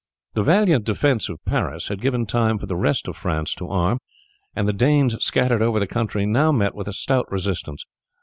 The valiant defence of Paris had given time for the rest of France to arm, and the Danes scattered over the country now met with a stout resistance.